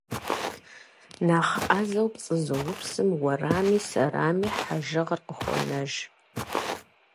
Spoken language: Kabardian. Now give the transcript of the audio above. Нэхъ Ӏэзэу пцӀы зыупсым - уэрами сэрами - хьэжыгъэр къыхуонэж.